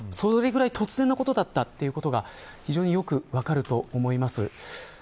それぐらい突然のことだったということが分かると思います。